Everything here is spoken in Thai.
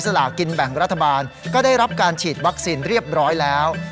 ลากินแบ่งรัฐบาลก็ได้รับการฉีดวัคซีนเรียบร้อยแล้ว